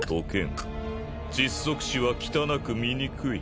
窒息死は汚く醜い。